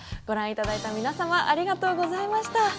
ご覧いただいた皆様ありがとうございました。